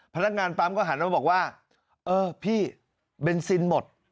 พนักงานปั๊มก็หันมาบอกว่าเออพี่เบนซินหมด